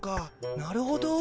なるほど。